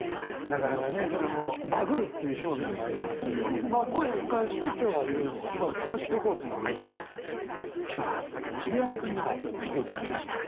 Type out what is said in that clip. なかなかねそれもバグるっていう表現もありますけどまあ恋に関して今日はいろいろ言葉を探していこうということで今日は桐山君にも来ていただきました。